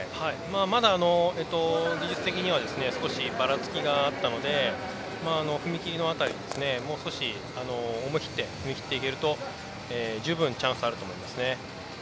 まだ、技術的にはバラツキがあったので踏み切りの辺りもう少し思い切って踏み切っていけると十分チャンスあると思いますね。